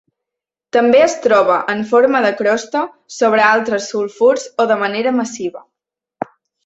També es troba en forma de crosta sobre altres sulfurs o de manera massiva.